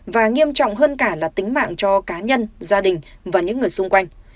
và nghiêm trọng hơn cả là tính mạng cho cá nhân gia đình và những người xung quanh